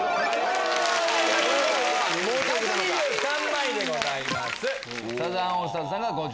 １２３枚でございます。